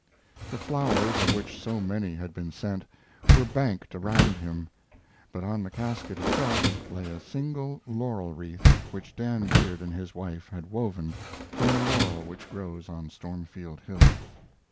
The flowers, of which so many had been sent, were banked around him; but on the casket itself lay a single laurel wreath which Dan Beard and his wife had woven from the laurel which grows on Stormfield hill.